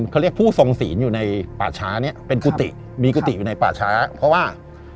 เขาเรียกผู้ทรงศีลอยู่ในป่าช้าเนี่ยเป็นกุฏิมีกุฏิอยู่ในป่าช้าเพราะว่า